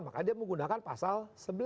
maka dia menggunakan pasal sebelas